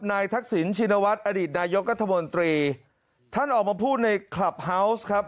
ทักษิณชินวัฒน์อดีตนายกรัฐมนตรีท่านออกมาพูดในคลับเฮาวส์ครับ